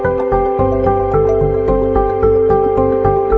จริงจริงจริงจริงพี่แจ๊คเฮ้ยสวยนะเนี่ยเป็นเล่นไป